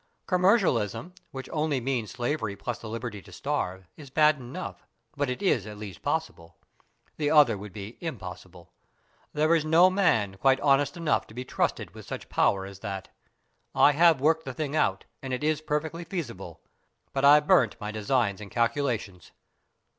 Commercialism, which only means slavery plus the liberty to starve, is bad enough, but it is at least possible. The other would be impossible. There is no man quite honest enough to be trusted with such a power as that. I have worked the thing out, and it is perfectly feasible, but I burnt my designs and calculations."